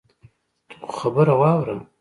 ته خو خبره واوره.